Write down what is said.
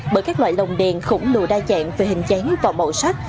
bởi các loại lồng đèn khổng lồ đa dạng về hình dáng và màu sắc